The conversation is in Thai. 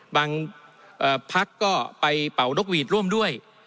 พักก็ไปเป่านกหวีดร่วมด้วย